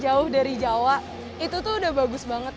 jauh dari jawa itu tuh udah bagus banget